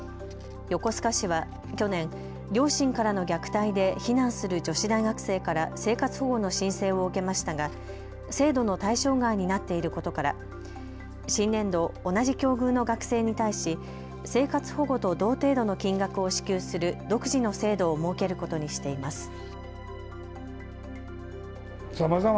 横須賀市は去年、両親からの虐待で避難する女子大学生から生活保護の申請を受けましたが制度の対象外になっていることから新年度、同じ境遇の学生に対し生活保護と同程度の金額を支給する独自の制度を設けることにしています。